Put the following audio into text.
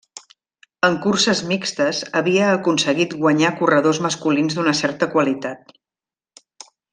En curses mixtes havia aconseguit guanyar corredors masculins d'una certa qualitat.